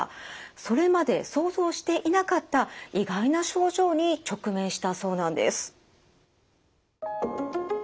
それまで想像していなかった意外な症状に直面したそうなんです。